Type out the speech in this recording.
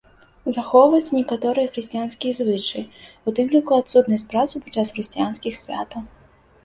Захоўваюцца некаторыя хрысціянскія звычаі, у тым ліку адсутнасць працы падчас хрысціянскіх святаў.